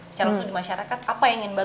secara langsung di masyarakat apa yang ingin mbak